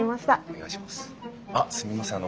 あっすみません